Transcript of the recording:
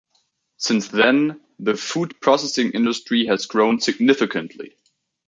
Since then, the food processing industry has grown significantly.